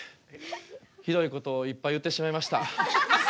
ひどいことをいっぱい言ってしまいました。